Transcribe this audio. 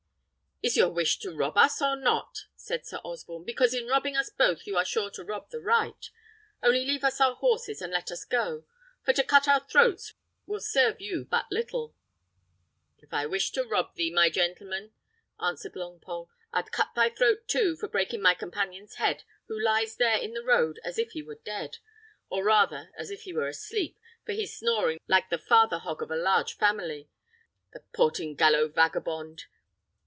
"Is your wish to rob us or not?" said Sir Osborne; "because in robbing us both you are sure to rob the right. Only leave us our horses, and let us go; for to cut our throats will serve you but little." "If I wished to rob thee, my gentleman," answered Longpole, "I'd cut thy throat too, for breaking my companion's head, who lies there in the road as if he were dead, or rather as if he were asleep, for he's snoring like the father hog of a large family, the Portingallo vagabond!